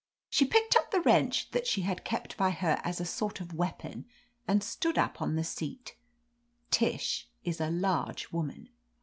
She picked up the wrench that she had kept by her as a sort of weapon and stood up on the seat Tish is a large woman.